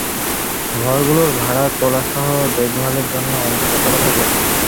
ঘরগুলোর ভাড়া তোলাসহ দেখভালের জন্য একজন তত্ত্বাবধায়ক রয়েছেন।